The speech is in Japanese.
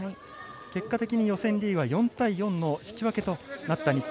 結果的に予選リーグは４対４の引き分けとなった日本。